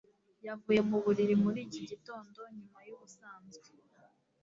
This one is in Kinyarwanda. yavuye mu buriri muri iki gitondo nyuma yubusanzwe.